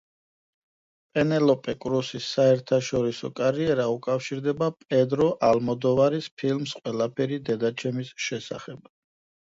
პენელოპე კრუსის საერთაშორისო კარიერა უკავშირდება პედრო ალმოდოვარის ფილმს „ყველაფერი დედაჩემის შესახებ“.